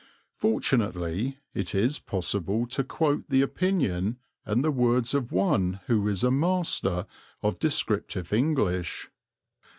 Fortunately it is possible to quote the opinion and the words of one who is a master of descriptive English.